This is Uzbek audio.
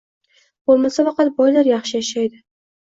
Bo‘lmasa faqat boylar yaxshi yashaydi